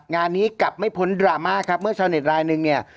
งานนี้กลับไม่พ้นดราม่าครับเมื่อชาวเน็ตรายนึงเนี่ย